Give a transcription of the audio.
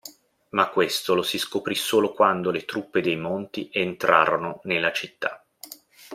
Ma questo lo si scoprì solo quando le truppe dei Monti entrarono nella città.